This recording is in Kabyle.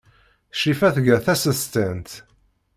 Crifa tga tasestant.